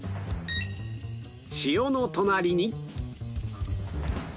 塩の隣に